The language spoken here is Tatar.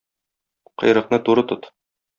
Койрыкны туры тот.